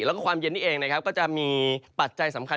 แล้วก็ความเย็นที่เองก็จะมีปัจจัยสำคัญ